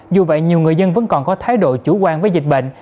dù vậy nhiều người dân vẫn còn có thái độ chủ quan với dịch bệnh